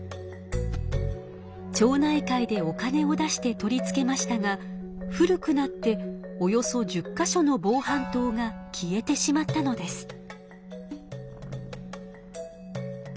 町内会でお金を出して取り付けましたが古くなっておよそ１０か所の防犯灯が消えてしまったのです。